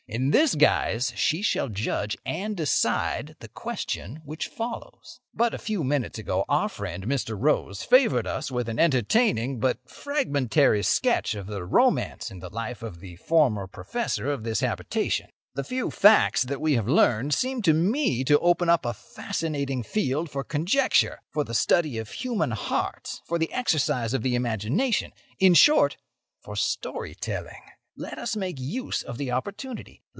In this guise she shall judge and decide the question which follows: "But a few minutes ago our friend, Mr. Rose, favoured us with an entertaining but fragmentary sketch of the romance in the life of the former professor of this habitation. The few facts that we have learned seem to me to open up a fascinating field for conjecture, for the study of human hearts, for the exercise of the imagination—in short, for story telling. Let us make use of the opportunity.